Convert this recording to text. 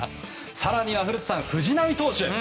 更には古田さん藤浪投手。